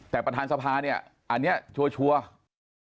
แต่ประธานสภาเนี่ยอันนี้ชัวร์